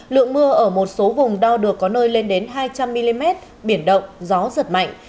lượng mưa ở một số vùng đo được có nơi lên đến hai trăm linh mm biển động gió giật mạnh